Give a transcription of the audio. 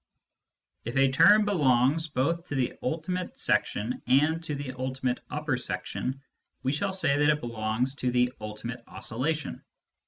If a^term z belongs both to the ultimate section and to the ultimate upper section, we shall say that it belongs to the " ultimate oscillation."